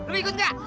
lu ikut gak